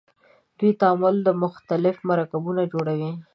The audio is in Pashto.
د دوی تعامل مختلف مرکبونه جوړوي.